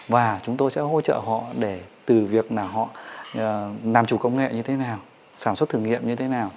và chúng tôi sẽ hỗ trợ họ để từ việc nào họ làm chủ công nghệ như thế nào sản xuất thử nghiệm như thế nào